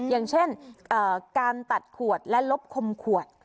อย่างเช่นการตัดขวดและลบคมขวด